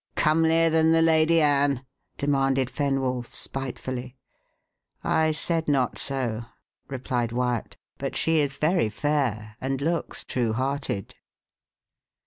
comelier than the Lady Anne?" demanded Fenwolf spitefully. "I said not so," replied Wyat; "but she is very fair, and looks true hearted."